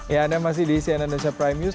ya anda masih di si aiden indonesia prime news